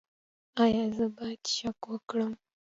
ایا زه باید شک وکړم؟